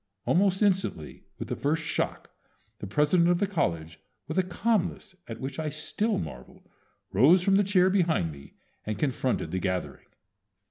Almost instantly with the first shock the president of the college, with a calmness at which I still marvel, rose from the chair behind me and confronted the gathering.